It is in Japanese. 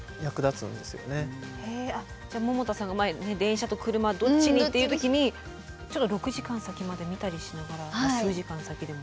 じゃあ百田さんが前電車と車どっちにっていう時にちょっと６時間先まで見たりしながら数時間先でも。